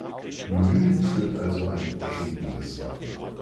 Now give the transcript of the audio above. Mölln führt also ein „redendes“ Wappen.